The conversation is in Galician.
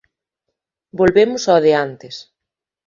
Volvemos ao de antes.